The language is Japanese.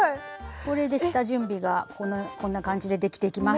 これで下準備がこんな感じでできていきます。